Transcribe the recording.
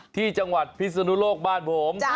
ที่จังหวัดพิศนุโลกบ้านผม